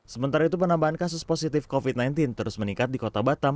sementara itu penambahan kasus positif covid sembilan belas terus meningkat di kota batam